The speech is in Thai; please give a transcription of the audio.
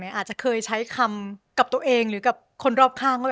อาจจะเคยใช้คำกับตัวเองหรือกับคนรอบข้างด้วย